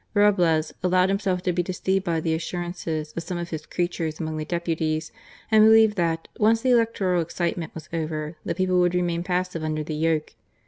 Roblez allowed himself to be deceived by the assurances of some of his creatures among the deputies, and believed that, once the electoral excitement was over, the people would remain passive under the yoke.